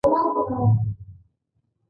له تاوتریخوالي تش مقاومت ژور بحث دی.